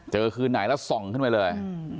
คืนไหนแล้วส่องขึ้นไปเลย